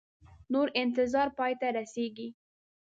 نور انتظار پای ته رسیږي